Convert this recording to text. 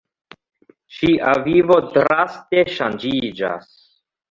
Ŝia vivo draste ŝanĝiĝas.